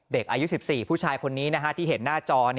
เด็กอายุ๑๔ผู้ชายคนนี้ที่เห็นหน้าจอ